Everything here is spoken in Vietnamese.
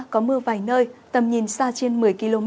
có mưa vài nơi tầm nhìn xa trên một mươi km